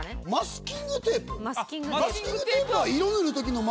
マスキングテープは。